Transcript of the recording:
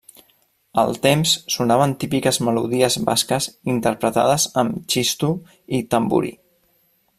Al temps sonaven típiques melodies basques interpretades amb txistu i tamborí.